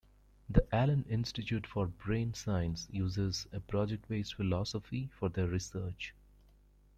The Allen Institute for Brain Science uses a project-based philosophy for their research.